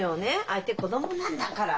相手子供なんだから。